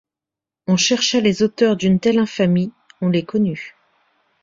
On chercha les auteurs d'une telle infamie, on les connut.